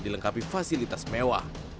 dilengkapi fasilitas mewah